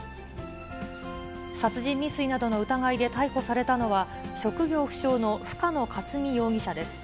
殺人未遂などの疑いで逮捕されたのは、職業不詳の深野かつみ容疑者です。